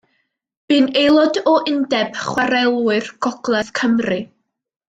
Bu'n aelod o Undeb Chwarelwyr Gogledd Cymru.